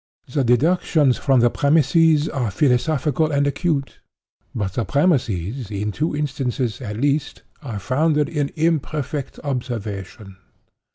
The deductions from the premises are philosophical and acute; but the premises, in two instances, at least, are founded in imperfect observation.